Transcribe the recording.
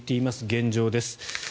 現状です。